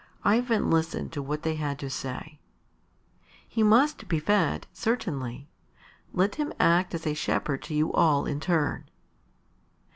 Ivan listened to what they had to say. "He must be fed, certainly. Let him act as a shepherd to you all in turn."